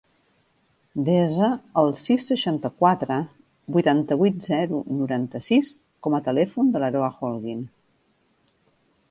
Desa el sis, seixanta-quatre, vuitanta-vuit, zero, noranta-sis com a telèfon de l'Aroa Holguin.